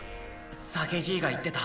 酒爺が言ってた。